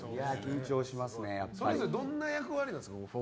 それぞれどんな役割ですか？